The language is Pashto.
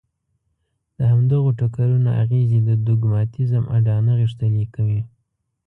د همدغو ټکرونو اغېزې د دوګماتېزم اډانه غښتلې کوي.